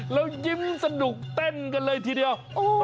แล้วยิ้มสนุกเต้นกันเลยทีเดียว